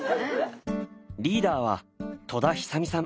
リーダーは戸田久美さん。